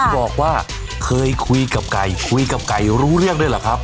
บอกว่าเคยคุยกับไก่คุยกับไก่รู้เรื่องด้วยเหรอครับ